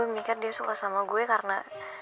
mikir dia suka sama gue karena